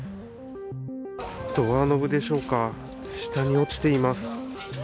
ドアノブでしょうか、下に落ちています。